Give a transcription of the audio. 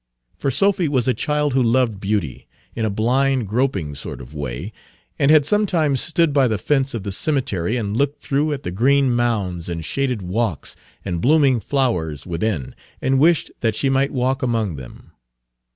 For Sophy was a child who loved beauty, in a blind, groping sort of way, and had sometimes stood by the fence of the cemetery and looked through at the green mounds and shaded walks and blooming flowers within, and wished that she might walk among them.